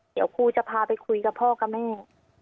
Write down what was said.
เดี๋ยวครูจะพาไปคุยกับพ่อกับแม่